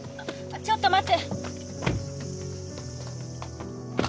ちょっと待って！